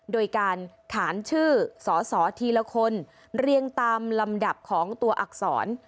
โดยการขานชื่อสอสอทีละคนเรียงตามลำดับของตัวอักษร